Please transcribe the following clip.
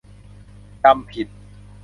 จำผิด